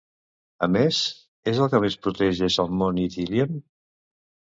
A més, és el que protegeix el mont Ithilien?